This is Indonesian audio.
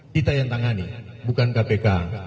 kita yang tangani bukan kpk